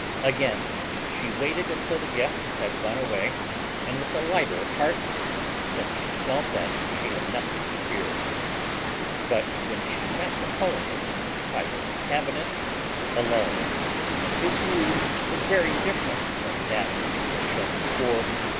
Again she waited until the guests had gone away, and with a lighter heart, since she felt that she had nothing to fear. But when she met Napoleon in his private cabinet, alone, his mood was very different from that which he had shown before.